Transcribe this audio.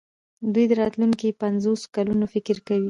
دوی د راتلونکو پنځوسو کلونو فکر کوي.